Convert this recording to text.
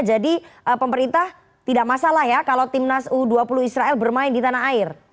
jadi pemerintah tidak masalah ya kalau tim nas u dua puluh israel bermain di tanah air